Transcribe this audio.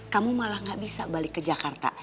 kamu malah gak bisa balik ke jakarta